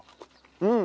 うん！